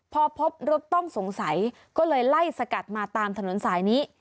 พอพบรถต้องสงสัยก็เลยไล่สกัดมาตามถนนสายนี้